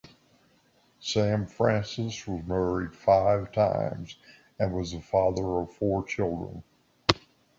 Sam Francis was married five times, and was the father of four children.